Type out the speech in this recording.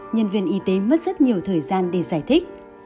nhân viên y tế mất rất nhiều thời gian để giải thích